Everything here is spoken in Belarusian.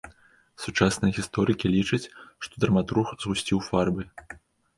Сучасныя гісторыкі лічаць, што драматург згусціў фарбы.